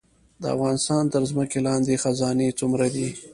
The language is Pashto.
د افغانستان تر ځمکې لاندې خزانې څومره دي؟